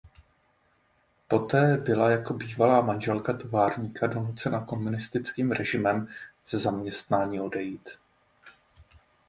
Poté byla jako bývalá manželka továrníka donucena komunistickým režimem ze zaměstnání odejít.